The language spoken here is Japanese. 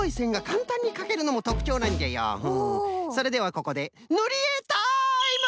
それではここでぬりえタイム！